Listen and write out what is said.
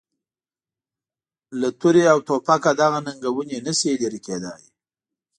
له توره او توپکه دغه ننګونې نه شي لرې کېدای.